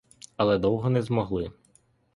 Але довго не змогли.